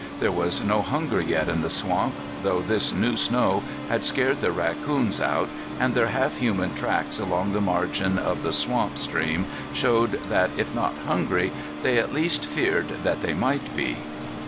There was no hunger yet in the swamp, though this new snow had scared the raccoons out, and their half human tracks along the margin of the swamp stream showed that, if not hungry, they at least feared that they might be.